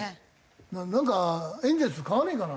エンゼルス買わねえかな？